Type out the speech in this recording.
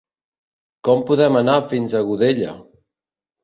Com podem anar fins a Godella?